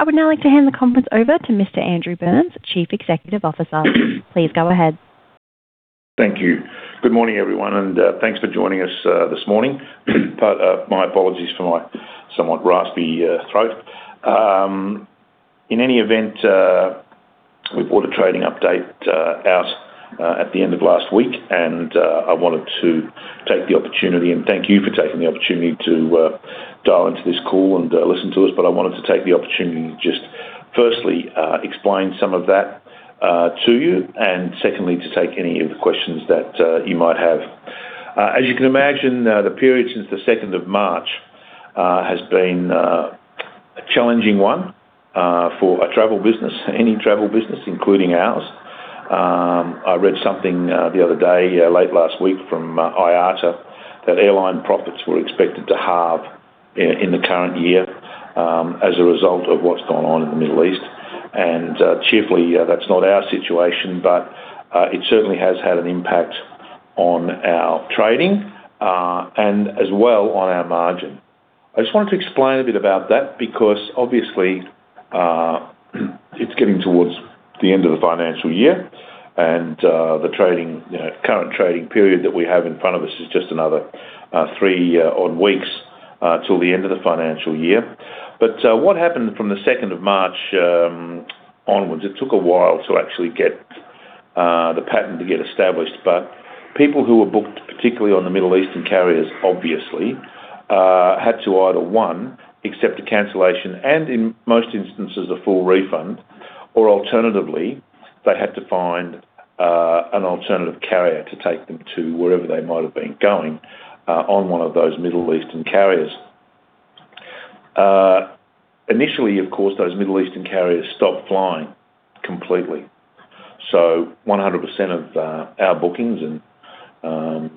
I would now like to hand the conference over to Mr. Andrew Burnes, Chief Executive Officer. Please go ahead. Thank you. Good morning, everyone, thanks for joining us this morning. My apologies for my somewhat raspy throat. In any event, we put a trading update out at the end of last week, I wanted to take the opportunity, and thank you for taking the opportunity to dial into this call and listen to us. I wanted to take the opportunity to just firstly, explain some of that to you, and secondly, to take any of the questions that you might have. As you can imagine, the period since the 2nd of March, has been a challenging one for a travel business, any travel business, including ours. I read something the other day, late last week from IATA, that airline profits were expected to halve in the current year as a result of what's gone on in the Middle East. Cheerfully, that's not our situation. It certainly has had an impact on our trading, and as well on our margin. I just wanted to explain a bit about that because obviously, it's getting towards the end of the financial year and the current trading period that we have in front of us is just another three odd weeks till the end of the financial year. What happened from the 2nd of March onwards, it took a while to actually get the pattern to get established. People who were booked, particularly on the Middle Eastern carriers, obviously, had to either, one, accept a cancellation and in most instances, a full refund, or alternatively, they had to find an alternative carrier to take them to wherever they might have been going on one of those Middle Eastern carriers. Initially, of course, those Middle Eastern carriers stopped flying completely. 100% of our bookings and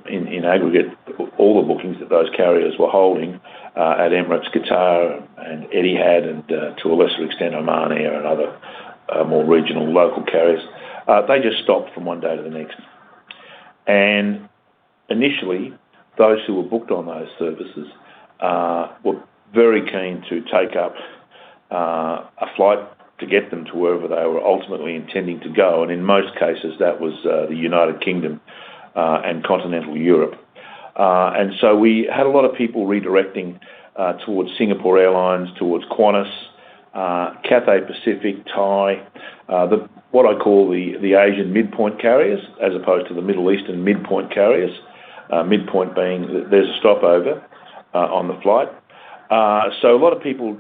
in aggregate, all the bookings that those carriers were holding at Emirates, Qatar, and Etihad and, to a lesser extent, Oman Air and other more regional local carriers, they just stopped from one day to the next. Initially, those who were booked on those services were very keen to take up a flight to get them to wherever they were ultimately intending to go. In most cases, that was the United Kingdom, and continental Europe. We had a lot of people redirecting towards Singapore Airlines, towards Qantas, Cathay Pacific, Thai, what I call the Asian midpoint carriers, as opposed to the Middle Eastern midpoint carriers. Midpoint being there's a stopover on the flight. A lot of people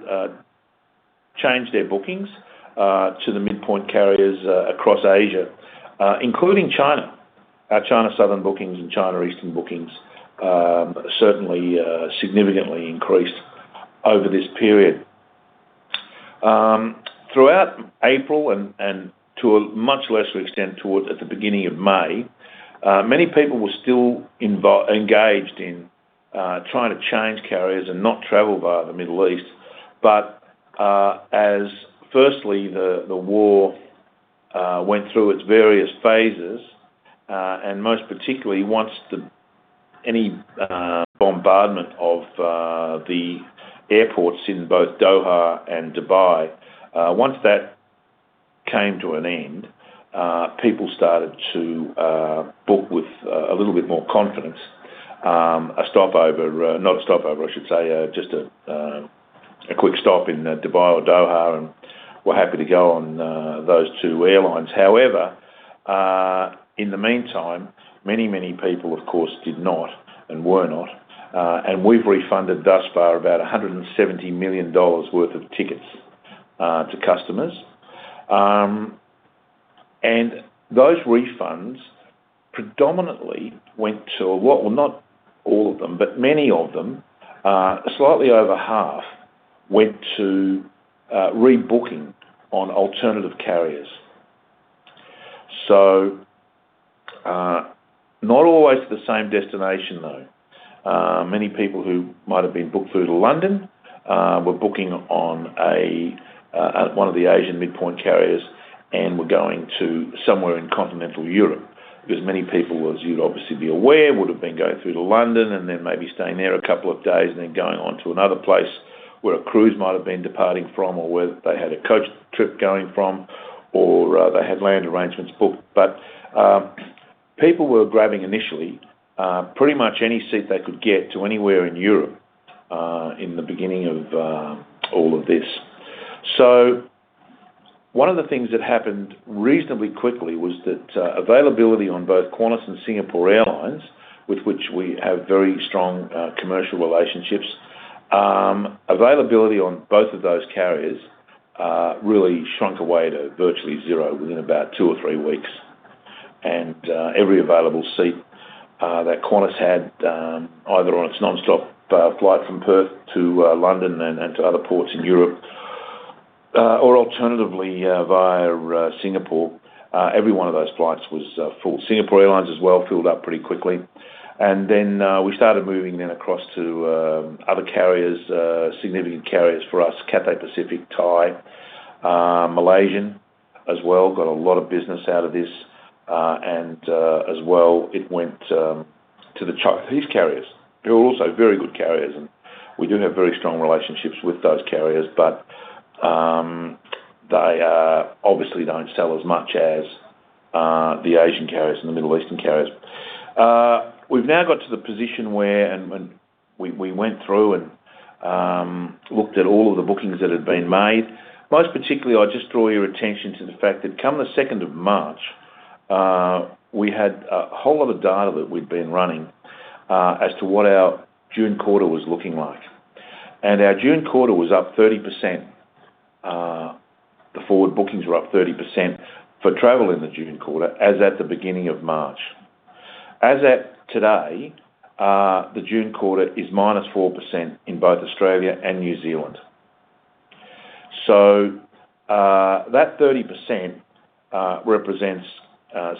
changed their bookings to the midpoint carriers across Asia, including China. Our China Southern bookings and China Eastern bookings certainly significantly increased over this period. Throughout April and to a much lesser extent towards the beginning of May, many people were still engaged in trying to change carriers and not travel via the Middle East. As firstly, the war went through its various phases, and most particularly once any bombardment of the airports in both Doha and Dubai, once that came to an end, people started to book with a little bit more confidence. Not a stopover, I should say, just a quick stop in Dubai or Doha, and were happy to go on those two airlines. However, in the meantime, many people, of course, did not and were not. We've refunded thus far about 170 million dollars worth of tickets to customers. Those refunds predominantly went to, well, not all of them, but many of them, slightly over half went to rebooking on alternative carriers. Not always the same destination, though. Many people who might have been booked through to London were booking on one of the Asian mid-point carriers and were going to somewhere in continental Europe. Many people, as you'd obviously be aware, would've been going through to London and then maybe staying there a couple of days and then going on to another place where a cruise might have been departing from, or where they had a coach trip going from, or they had land arrangements booked. People were grabbing initially pretty much any seat they could get to anywhere in Europe in the beginning of all of this. One of the things that happened reasonably quickly was that availability on both Qantas and Singapore Airlines, with which we have very strong commercial relationships. Availability on both of those carriers really shrunk away to virtually zero within about two or three weeks. Every available seat that Qantas had, either on its nonstop flight from Perth to London and to other ports in Europe, or alternatively via Singapore, every one of those flights was full. Singapore Airlines as well filled up pretty quickly. We started moving then across to other carriers, significant carriers for us, Cathay Pacific, Thai Airways, Malaysia Airlines as well, got a lot of business out of this. As well, it went to the Chinese carriers, who are also very good carriers, and we do have very strong relationships with those carriers. They obviously don't sell as much as the Asian carriers and the Middle Eastern carriers. We've now got to the position where, and we went through and looked at all of the bookings that had been made. Most particularly, I just draw your attention to the fact that come the 2nd of March, we had a whole lot of data that we'd been running as to what our June quarter was looking like. Our June quarter was up 30%. The forward bookings were up 30% for travel in the June quarter, as at the beginning of March. As at today, the June quarter is -4% in both Australia and New Zealand. That 30% represents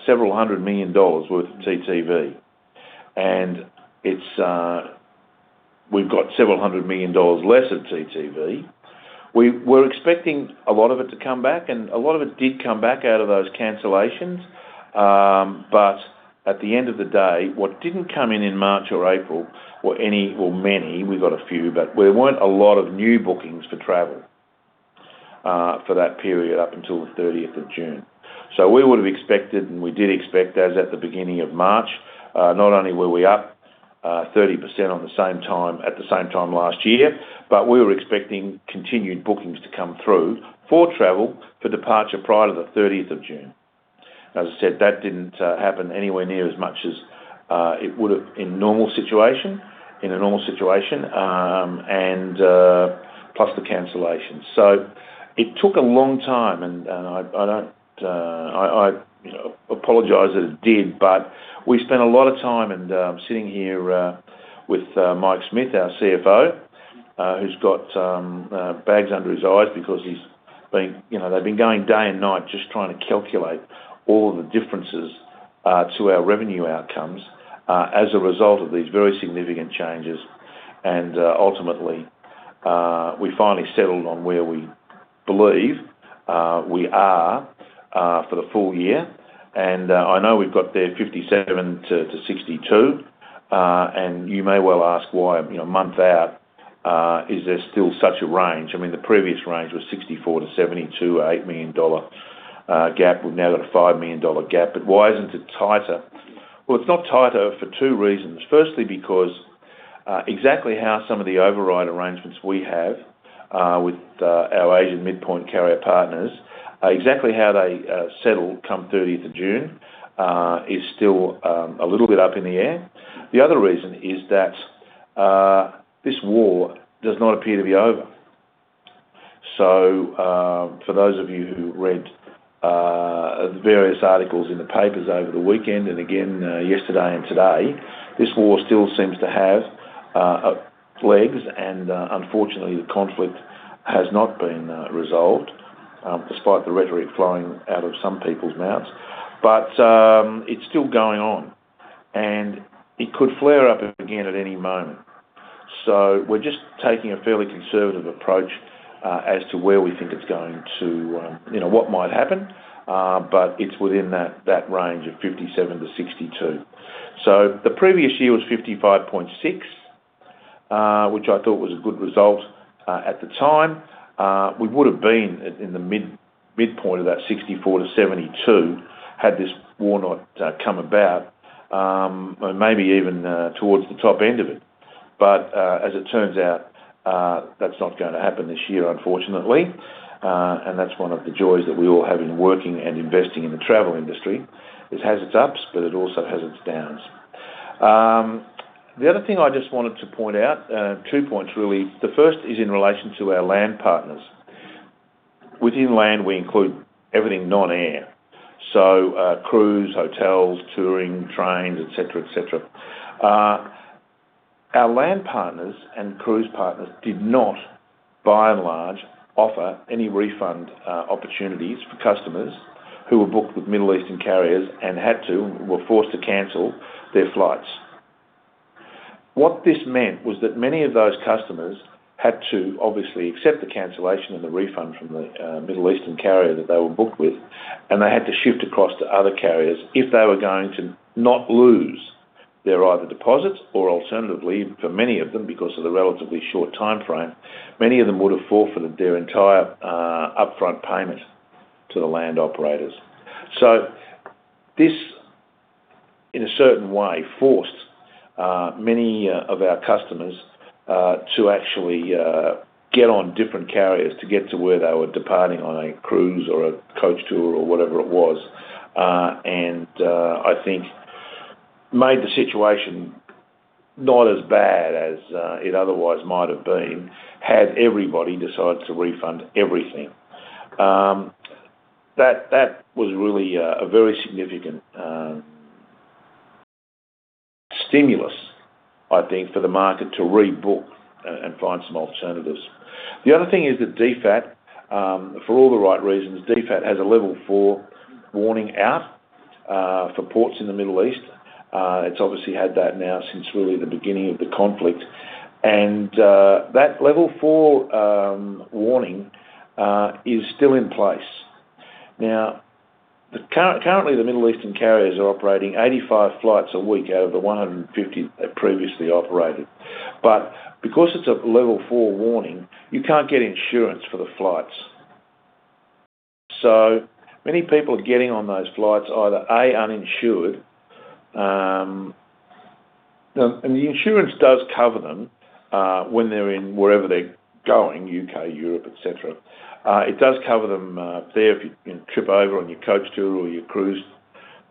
several hundred million dollar worth of CTV, and we've got several hundred million dollar less of CTV. We were expecting a lot of it to come back, and a lot of it did come back out of those cancellations. At the end of the day, what didn't come in in March or April, or many, we got a few, but there weren't a lot of new bookings to travel for that period up until the 30th of June. We would have expected, and we did expect, as at the beginning of March, not only were we up 30% at the same time last year, but we were expecting continued bookings to come through for travel for departure prior to the 30th of June. As I said, that didn't happen anywhere near as much as it would have in a normal situation, and plus the cancellations. It took a long time, and I apologize that it did, but we spent a lot of time, and I'm sitting here with Mike Smith, our CFO, who's got bags under his eyes because they've been going day and night just trying to calculate all the differences to our revenue outcomes as a result of these very significant changes. Ultimately, we finally settled on where we believe we are for the full year. I know we've got there 57 million-62 million. You may well ask why a month out is there still such a range? The previous range was 64 million-72 million dollar, an AUD 8 million gap. We've now got an 5 million dollar gap. Why isn't it tighter? Well, it's not tighter for two reasons. Firstly, because exactly how some of the override arrangements we have with our Asian midpoint carrier partners, exactly how they settle come 30th of June is still a little bit up in the air. The other reason is that this war does not appear to be over. For those of you who read the various articles in the papers over the weekend, and again yesterday and today, this war still seems to have legs, and unfortunately, the conflict has not been resolved, despite the rhetoric flowing out of some people's mouths. It's still going on, and it could flare up again at any moment. We're just taking a fairly conservative approach as to where we think it's going to-- what might happen. It's within that range of 57 million-62 million. The previous year was 55.6 million, which I thought was a good result at the time. We would've been in the midpoint of that 64 million-72 million had this war not come about, and maybe even towards the top end of it. As it turns out, that's not going to happen this year, unfortunately. That's one of the joys that we all have in working and investing in the travel industry. It has its ups, but it also has its downs. The other thing I just wanted to point out, two points really. The first is in relation to our land partners. Within land, we include everything non-air. Cruise, hotels, touring, trains, et cetera. Our land partners and cruise partners did not, by and large, offer any refund opportunities for customers who were booked with Middle Eastern carriers and had to, were forced to cancel their flights. What this meant was that many of those customers had to obviously accept the cancellation and the refund from the Middle Eastern carrier that they were booked with, they had to shift across to other carriers if they were going to not lose their either deposits or alternatively, for many of them, because of the relatively short timeframe, many of them would've forfeited their entire upfront payment to the land operators. This, in a certain way, forced many of our customers to actually get on different carriers to get to where they were departing on a cruise or a coach tour or whatever it was. I think made the situation not as bad as it otherwise might have been had everybody decided to refund everything. That was really a very significant stimulus, I think, for the market to rebook and find some alternatives. The other thing is that DFAT, for all the right reasons, DFAT has a level four warning out for ports in the Middle East. It's obviously had that now since really the beginning of the conflict. That level four warning is still in place. Currently the Middle Eastern carriers are operating 85 flights a week out of the 150 they previously operated. Because it's a level four warning, you can't get insurance for the flights. Many people are getting on those flights either, A, uninsured. The insurance does cover them when they're in wherever they're going, U.K., Europe, et cetera. It does cover them there if you trip over on your coach tour or your cruise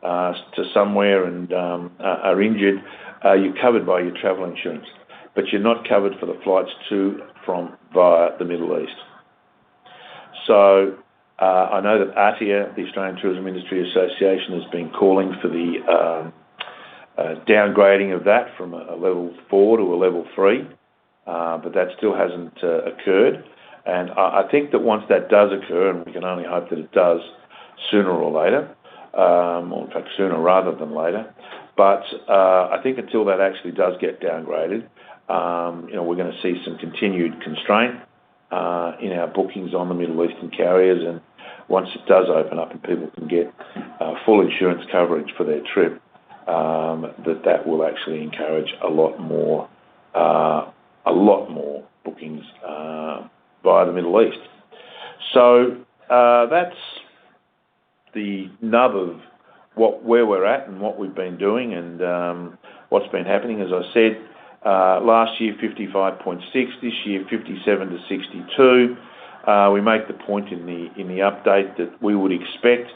to somewhere and are injured, you're covered by your travel insurance. You're not covered for the flights to, from, via the Middle East. I know that ATIA, the Australian Travel Industry Association, has been calling for the downgrading of that from a level four to a level three, that still hasn't occurred. I think that once that does occur, and we can only hope that it does sooner or later, or in fact sooner rather than later. I think until that actually does get downgraded, we're going to see some continued constraint in our bookings on the Middle Eastern carriers. Once it does open up and people can get full insurance coverage for their trip, that will actually encourage a lot more bookings via the Middle East. That's the nub of where we're at and what we've been doing and what's been happening. As I said, last year, 55.6. This year, 57-62. We make the point in the update that we would expect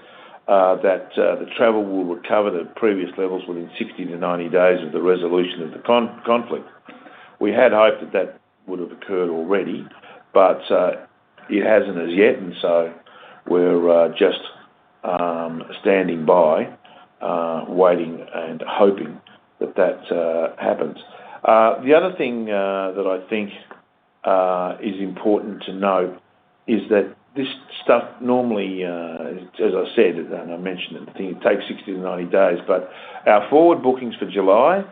that the travel will recover to previous levels within 60 to 90 days of the resolution of the conflict. We had hoped that that would have occurred already, it hasn't as yet. We're just standing by, waiting and hoping that that happens. The other thing that I think is important to note is that this stuff normally, as I said, and I mentioned it, I think it takes 60 to 90 days. Our forward bookings for July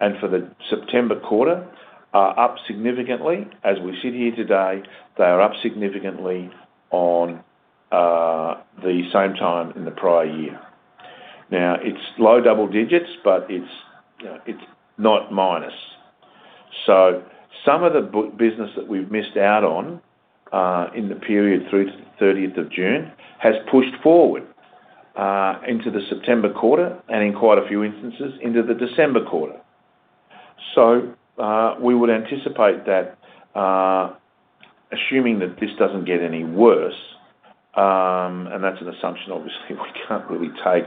and for the September quarter are up significantly. As we sit here today, they are up significantly on the same time in the prior year. It's low double digits, it's not minus. Some of the business that we've missed out on in the period through to the 30th of June has pushed forward into the September quarter and in quite a few instances into the December quarter. We would anticipate that assuming that this doesn't get any worse, and that's an assumption obviously we can't really take.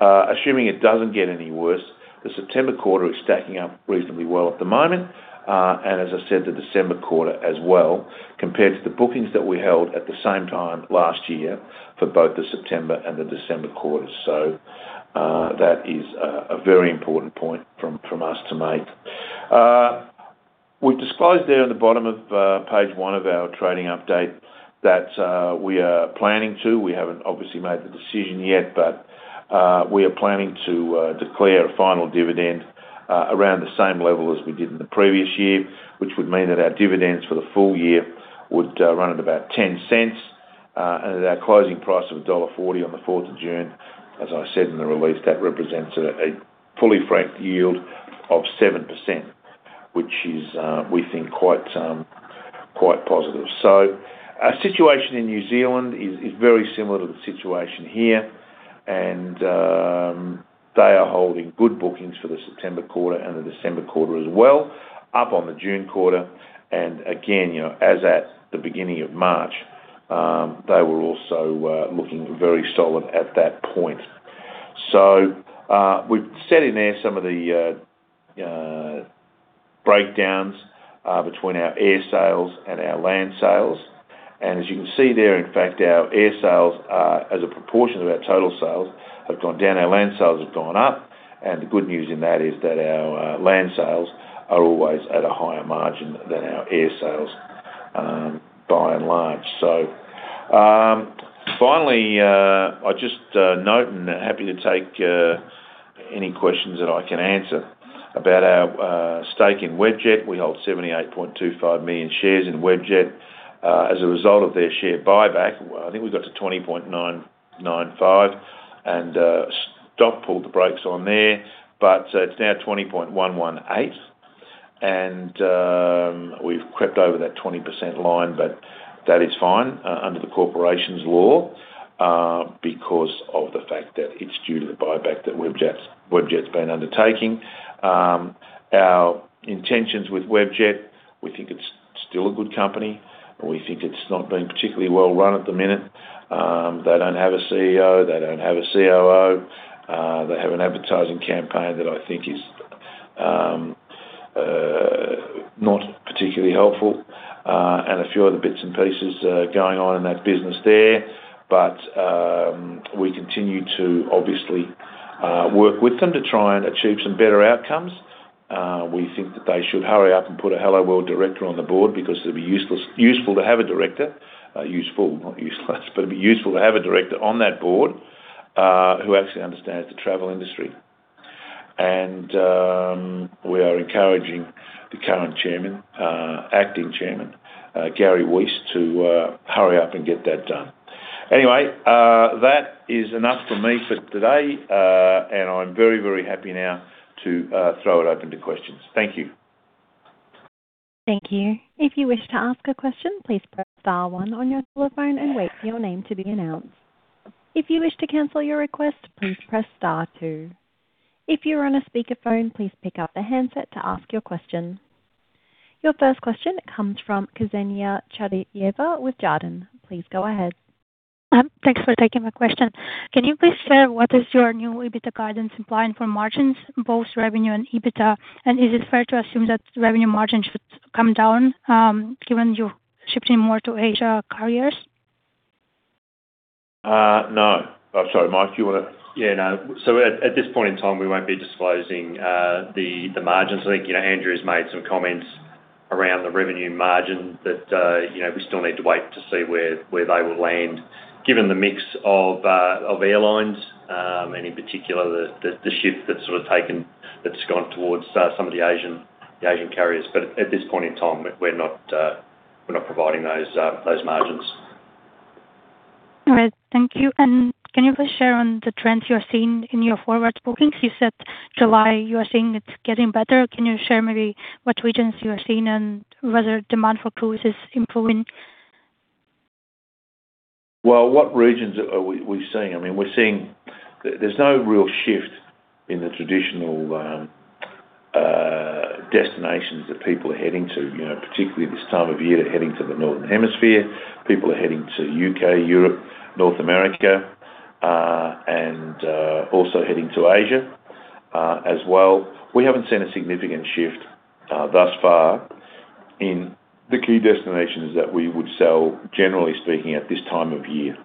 Assuming it doesn't get any worse, the September quarter is stacking up reasonably well at the moment. As I said, the December quarter as well compared to the bookings that we held at the same time last year for both the September and the December quarters. That is a very important point from us to make. We've disclosed there at the bottom of page one of our trading update that we are planning to. We haven't obviously made the decision yet, we are planning to declare a final dividend around the same level as we did in the previous year. Which would mean that our dividends for the full year would run at about 0.10. At our closing price of dollar 1.40 on the 4th of June, as I said in the release, that represents a fully franked yield of 7%, which is, we think quite positive. Our situation in New Zealand is very similar to the situation here. They are holding good bookings for the September quarter and the December quarter as well, up on the June quarter. Again, as at the beginning of March, they were also looking very solid at that point. We've set in there some of the breakdowns between our air sales and our land sales. As you can see there, in fact, our air sales as a proportion of our total sales have gone down. Our land sales have gone up. The good news in that is that our land sales are always at a higher margin than our air sales by and large. Finally, I just note and happy to take any questions that I can answer about our stake in Webjet. We hold 78.25 million shares in Webjet. As a result of their share buyback, I think we got to 20.995 and Stock pulled the brakes on there. It's now 20.118. We've crept over that 20% line, but that is fine under the corporations law, because of the fact that it's due to the buyback that Webjet's been undertaking. Our intentions with Webjet, we think it's still a good company. We think it's not been particularly well run at the minute. They don't have a CEO. They don't have a COO. They have an advertising campaign that I think is not particularly helpful. A few other bits and pieces going on in that business there. We continue to obviously work with them to try and achieve some better outcomes. We think that they should hurry up and put a Helloworld director on the board because it'd be useful to have a director. Useful, not useless, but it'd be useful to have a director on that board who actually understands the travel industry. We are encouraging the current chairman, acting chairman, Gary Weiss, to hurry up and get that done. That is enough for me for today. I'm very happy now to throw it open to questions. Thank you. Thank you. If you wish to ask a question, please press star one on your telephone and wait for your name to be announced. If you wish to cancel your request, please press star two. If you are on a speakerphone, please pick up the handset to ask your question. Your first question comes from Ksenia Chadayeva with Jarden. Please go ahead. Thanks for taking my question. Can you please share what is your new EBITDA guidance implying for margins, both revenue and EBITDA? Is it fair to assume that revenue margin should come down, given you're shifting more to Asian carriers? No. Oh, sorry, Mike, do you want to. Yeah. No. At this point in time, we won't be disclosing the margins. I think Andrew's made some comments around the revenue margin that we still need to wait to see where they will land, given the mix of airlines, and in particular, the shift that's gone towards some of the Asian carriers. At this point in time, we're not providing those margins. Thank you. Can you please share on the trends you're seeing in your forward bookings? You said July, you are seeing it's getting better. Can you share maybe what regions you are seeing and whether demand for cruises improving? Well, what regions are we seeing? There's no real shift in the traditional destinations that people are heading to. Particularly this time of year, they're heading to the northern hemisphere. People are heading to U.K., Europe, North America, and also heading to Asia as well. We haven't seen a significant shift thus far in the key destinations that we would sell, generally speaking, at this time of year.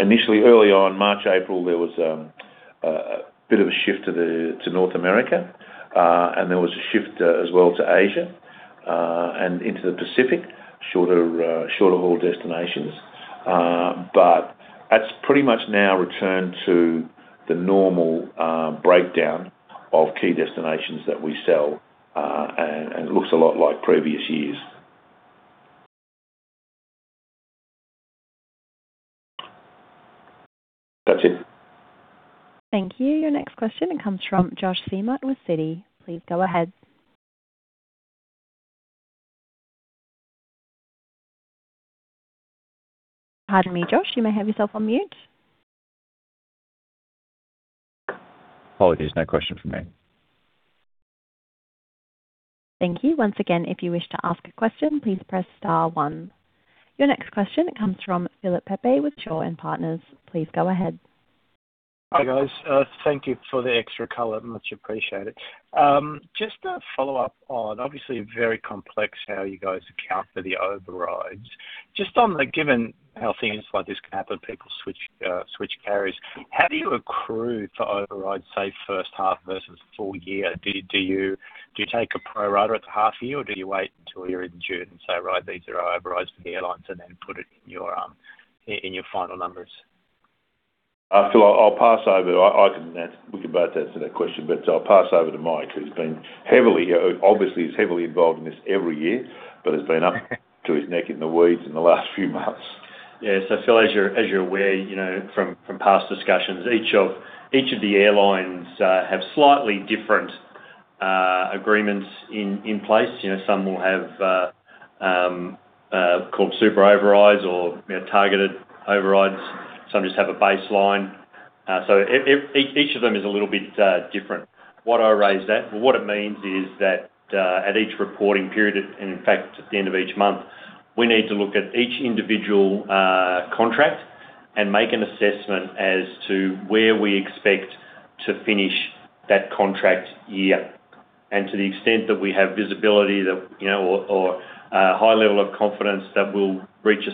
Initially, early on March, April, there was a bit of a shift to North America. There was a shift as well to Asia, and into the Pacific, shorter haul destinations. That's pretty much now returned to the normal breakdown of key destinations that we sell. It looks a lot like previous years. That's it. Thank you. Your next question comes from [Josh Seymour] with Citi. Please go ahead. Pardon me, Josh. You may have yourself on mute. Apologies. No question from me. Thank you. Once again, if you wish to ask a question, please press star one. Your next question comes from Philip Pepe with Shaw and Partners. Please go ahead. Hi, guys. Thank you for the extra color. Much appreciated. A follow-up on obviously very complex how you guys account for the overrides. On the given how things like this can happen, people switch carriers. How do you accrue for overrides, say, first half versus full year? Do you take a pro rata at the half year, or do you wait until you're in June and say, "Right, these are our overrides for the airlines," and then put it in your final numbers? Phil, I'll pass over. We can both answer that question, I'll pass over to Mike, who obviously is heavily involved in this every year, has been up to his neck in the weeds in the last few months. Yeah. Phil, as you're aware from past discussions, each of the airlines have slightly different agreements in place. Some will have called super overrides or targeted overrides. Some just have a baseline. Each of them is a little bit different. What I raised that, what it means is that at each reporting period, and in fact at the end of each month, we need to look at each individual contract and make an assessment as to where we expect to finish that contract year. To the extent that we have visibility or a high level of confidence that we'll reach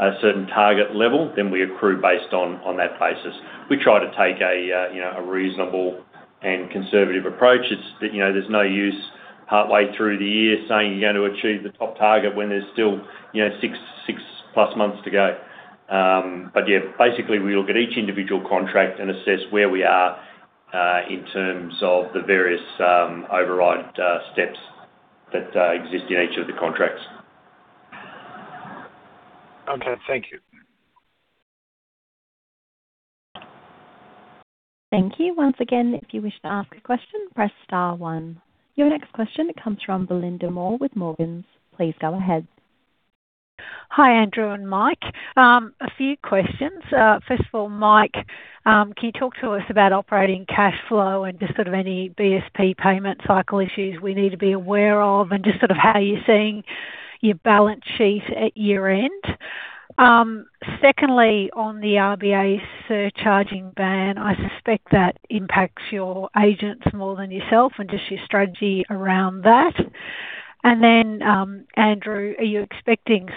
a certain target level, then we accrue based on that basis. We try to take a reasonable and conservative approach. There's no use partly through the year saying you're going to achieve the top target when there's still six plus months to go. Basically, we look at each individual contract and assess where we are in terms of the various override steps that exist in each of the contracts. Okay. Thank you. Thank you. Once again, if you wish to ask a question, press star one. Your next question comes from Belinda Moore with Morgans. Please go ahead. Hi, Andrew and Mike. A few questions. First of all, Mike, can you talk to us about operating cash flow and just any BSP payment cycle issues we need to be aware of and just how you're seeing your balance sheet at year-end? Secondly, on the RBA surcharging ban, I suspect that impacts your agents more than yourself and just your strategy around that. Andrew, are you expecting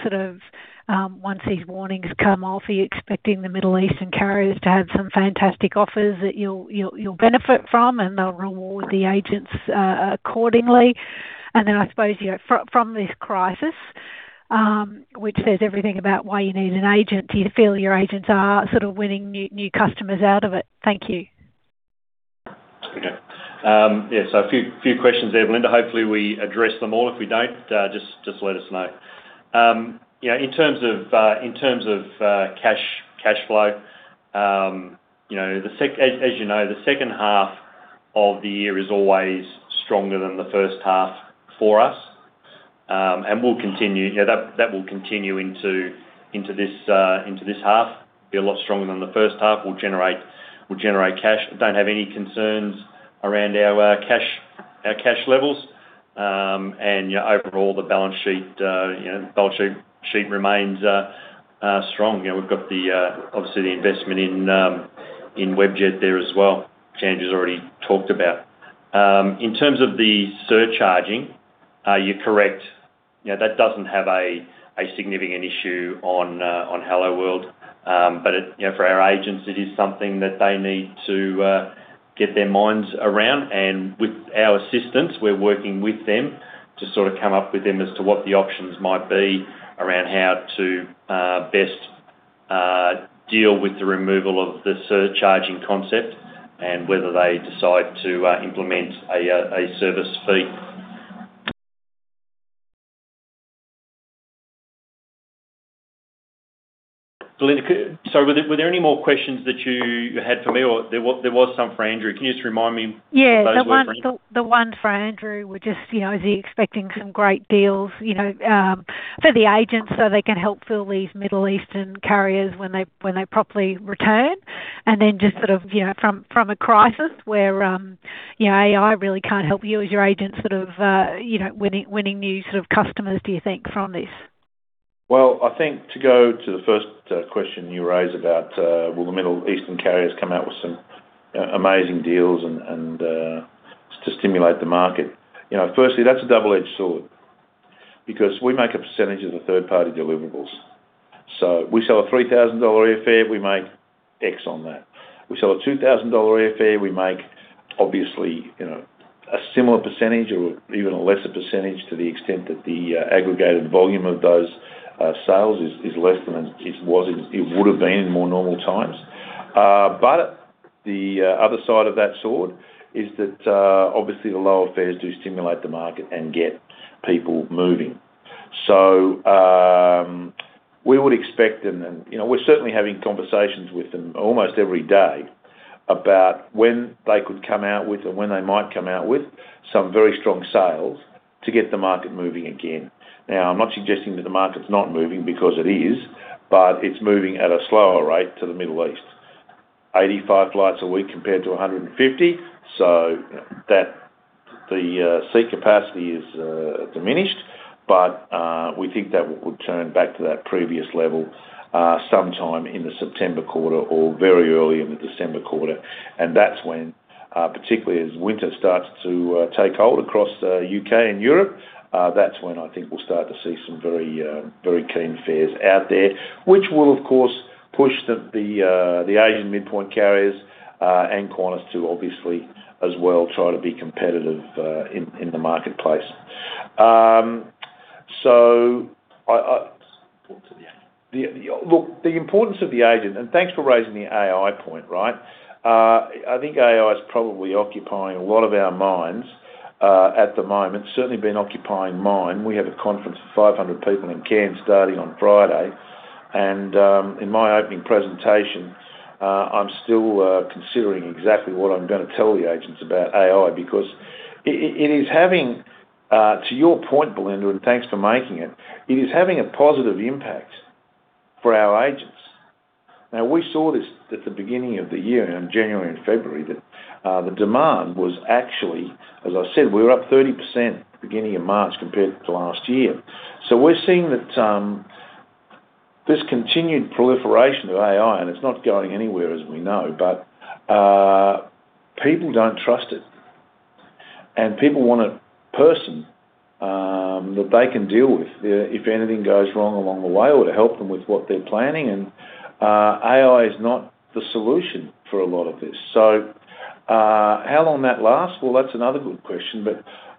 once these warnings come off, are you expecting the Middle Eastern carriers to have some fantastic offers that you'll benefit from, and they'll reward the agents accordingly? I suppose from this crisis, which says everything about why you need an agent, do you feel your agents are winning new customers out of it? Thank you. Okay. A few questions there, Belinda. Hopefully, we address them all. If we don't, just let us know. In terms of cash flow, as you know, the second half of the year is always stronger than the first half for us. That will continue into this half. Be a lot stronger than the first half. We'll generate cash. Don't have any concerns around our cash levels. Overall the balance sheet remains strong. We've got obviously the investment in Webjet there as well, which Andrew's already talked about. In terms of the surcharging, you're correct. That doesn't have a significant issue on Helloworld. For our agents, it is something that they need to get their minds around. With our assistance, we're working with them to sort of come up with them as to what the options might be around how to best deal with the removal of the surcharging concept, and whether they decide to implement a service fee. Belinda, were there any more questions that you had for me? There was some for Andrew. Can you just remind me what those were for Andrew? The ones for Andrew were just, is he expecting some great deals for the agents so they can help fill these Middle Eastern carriers when they properly return? Just sort of from a crisis where AI really can't help you as your agent sort of winning new sort of customers, do you think from this? I think to go to the first question you raised about will the Middle Eastern carriers come out with some amazing deals to stimulate the market. Firstly, that's a double-edged sword because we make a percentage of the third-party deliverables. We sell a 3,000 dollar airfare, we make X on that. We sell a 2,000 dollar airfare, we make obviously a similar percentage or even a lesser percentage to the extent that the aggregated volume of those sales is less than it would've been in more normal times. The other side of that sword is that obviously the lower fares do stimulate the market and get people moving. We would expect, and we're certainly having conversations with them almost every day about when they could come out with, or when they might come out with some very strong sales to get the market moving again. I'm not suggesting that the market's not moving because it is, but it's moving at a slower rate to the Middle East. 85 flights a week compared to 150, so the seat capacity is diminished. We think that will turn back to that previous level sometime in the September quarter or very early in the December quarter. That's when, particularly as winter starts to take hold across U.K. and Europe, that's when I think we'll start to see some very keen fares out there. Which will of course push the Asian midpoint carriers, and Qantas too obviously as well try to be competitive in the marketplace. Look, the importance of the agent, and thanks for raising the AI point. I think AI is probably occupying a lot of our minds at the moment. Certainly been occupying mine. We have a conference of 500 people in Cairns starting on Friday, and in my opening presentation, I'm still considering exactly what I'm going to tell the agents about AI. To your point, Belinda, and thanks for making it is having a positive impact for our agents. We saw this at the beginning of the year, around January and February, that the demand was actually, as I said, we were up 30% beginning of March compared to last year. We're seeing that this continued proliferation of AI, and it's not going anywhere as we know, but people don't trust it. People want a person that they can deal with if anything goes wrong along the way or to help them with what they're planning, and AI is not the solution for a lot of this. How long that lasts? Well, that's another good question.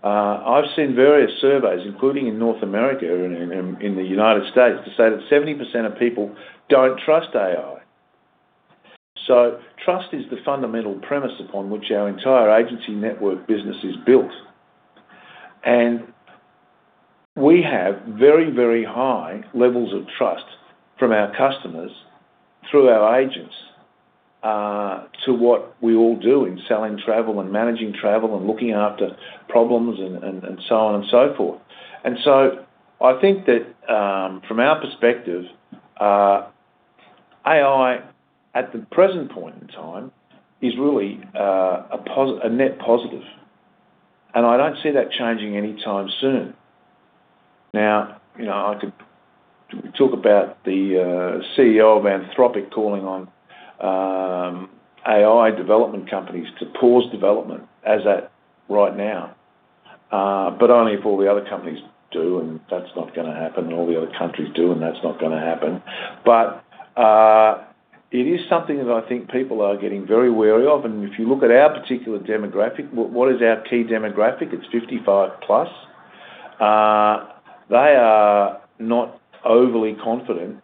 I've seen various surveys, including in North America and in the U.S., to say that 70% of people don't trust AI. Trust is the fundamental premise upon which our entire agency network business is built. We have very, very high levels of trust from our customers through our agents to what we all do in selling travel and managing travel and looking after problems, and so on and so forth. I think that from our perspective, AI at the present point in time is really a net positive, and I don't see that changing anytime soon. I could We talk about the CEO of Anthropic calling on AI development companies to pause development as at right now, only if all the other companies do, and that's not going to happen, and all the other countries do, and that's not going to happen. It is something that I think people are getting very wary of, and if you look at our particular demographic, what is our key demographic? It's 55 plus. They are not overly confident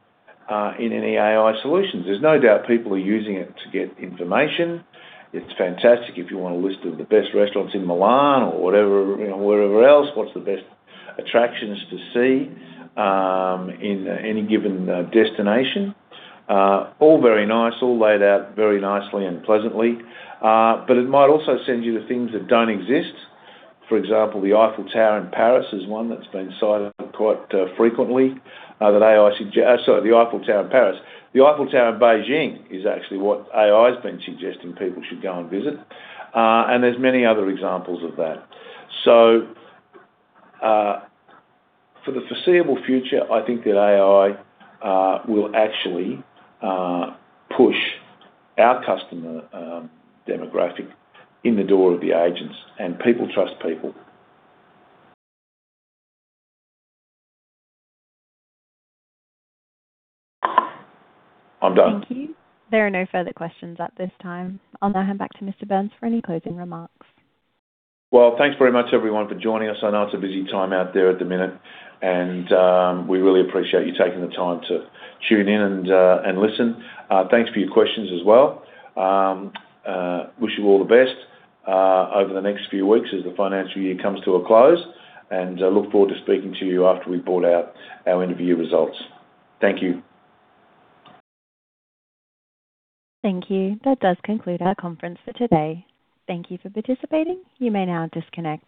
in any AI solutions. There's no doubt people are using it to get information. It's fantastic if you want a list of the best restaurants in Milan or wherever else, what's the best attractions to see in any given destination. All very nice, all laid out very nicely and pleasantly. It might also send you to things that don't exist. For example, the Eiffel Tower in Paris is one that's been cited quite frequently. The Eiffel Tower in Beijing is actually what AI's been suggesting people should go and visit. There's many other examples of that. For the foreseeable future, I think that AI will actually push our customer demographic in the door of the agents, and people trust people. I'm done. Thank you. There are no further questions at this time. I'll now hand back to Mr. Burnes for any closing remarks. Thanks very much, everyone, for joining us. I know it's a busy time out there at the minute, and we really appreciate you taking the time to tune in and listen. Thanks for your questions as well. Wish you all the best over the next few weeks as the financial year comes to a close, and I look forward to speaking to you after we've brought out our interim results. Thank you. Thank you. That does conclude our conference for today. Thank you for participating. You may now disconnect.